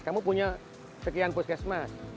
kamu punya sekian poskesmas